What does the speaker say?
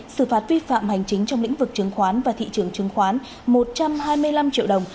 xử phạt vi phạm hành chính trong lĩnh vực chứng khoán và thị trường chứng khoán một trăm hai mươi năm triệu đồng